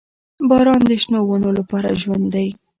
• باران د شنو ونو لپاره ژوند دی.